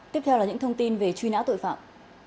tiếp theo là những thông tin về truy nã tội phạm